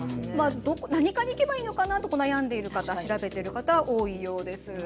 何科に行けばいいのかなと悩んでいる方調べている方は多いようです。